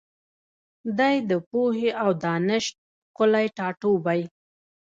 دی د پوهي او دانش ښکلی ټاټوبی